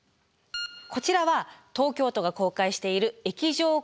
こちらは東京都が公開している液状化予測図です。